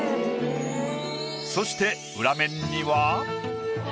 そして裏面には。